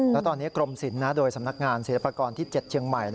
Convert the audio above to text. แล้วตอนนี้กรมศิลป์โดยสำนักงานศิลปากรที่๗เชียงใหม่